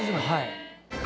はい。